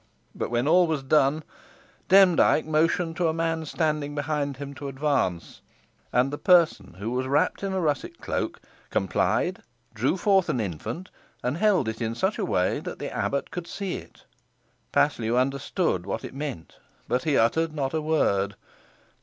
But when all was done, Demdike motioned to a man standing behind him to advance, and the person who was wrapped in a russet cloak complied, drew forth an infant, and held it in such way that the abbot could see it. Paslew understood what was meant, but he uttered not a word.